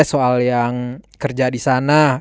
soal yang kerja disana